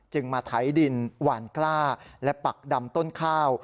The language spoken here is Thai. มาไถดินหวานกล้าและปักดำต้นข้าว